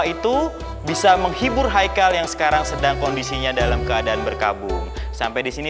itu bisa menghibur haikal yang sekarang sedang kondisinya dalam keadaan berkabung sampai di sini